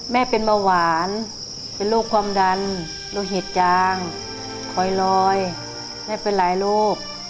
แม่เป็นมะหวานเป็นลูกความดันลูกหิดจางคอยลอยแม่เป็นหลายลูก